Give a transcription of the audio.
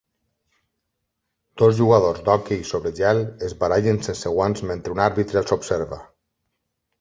Dos jugadors d'hoquei sobre gel es barallen sense guants mentre un àrbitre els observa.